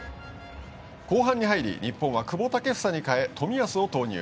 後半に入り日本は久保建英に代え冨安を投入。